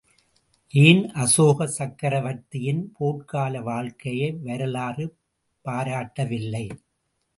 ஏன், அசோக சக்கரவர்த்தியின் போர்க்கால வாழ்க்கையை வரலாறு பாராட்டவில்லை?